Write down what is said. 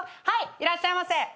はいいらっしゃいませ。